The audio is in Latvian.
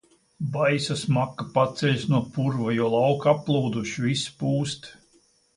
Baisa smaka paceļas no purva, jo lauki applūduši, viss pūst.